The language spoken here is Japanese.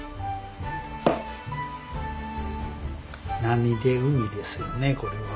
波で海ですよねこれは。